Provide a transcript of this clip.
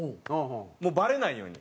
もうバレないように。